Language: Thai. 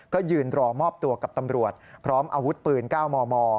ก็ยืนรอมอบตัวกับตำรวจพร้อมอาวุธปืน๙มม